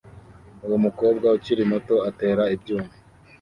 Uwo mukobwa ukiri muto atera ibyuma